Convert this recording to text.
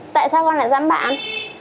tại sao con lại giấm bạn